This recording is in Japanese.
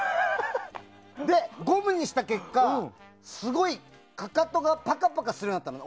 で、ゴムにした結果すごいかかとがパカパカするようになったの。